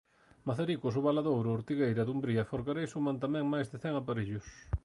Mazaricos, O Valadouro, Ortigueira, Dumbría e Forcarei suman tamén máis de cen aparellos.